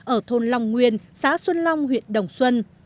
ở thôn long nguyên xã xuân long huyện đồng xuân